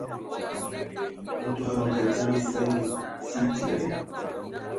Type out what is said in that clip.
Ndɔ a ngadzem esani, sie tigedan.